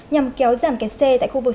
nhằm kéo giảm kẹt xe tại khu vực